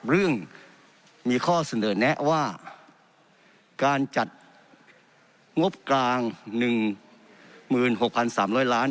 เรื่องมีข้อเสนอแนะว่าการจัดงบกลางหนึ่งหมื่นหกพันสามร้อยล้าน